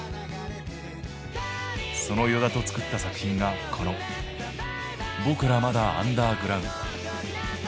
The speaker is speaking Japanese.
その依田と作った作品がこの「僕らまだアンダーグラウンド」。